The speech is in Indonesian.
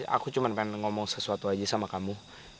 aku cuma pengen ngomong sesuatu aja sama kamu